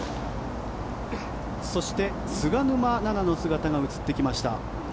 そして、菅沼菜々の姿が映ってきました。